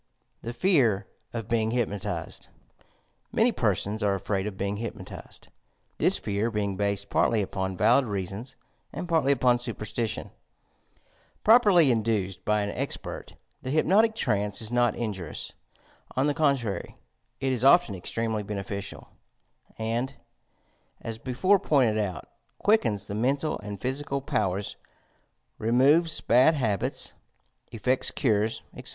THE FE.VB OF BEING HTPNOTIZED Ulany persona are afraid of being hypnotized, — ^thia fear being based partly upon valid reasons and partly upon superstition. Properly induced 61/ an expert, the hypnotic trance is not injurious; on the contrary, it is often extremely beneficial, and, as before pointed out, quickens the mental and physical powers, removes bad habits, effects cures, etc.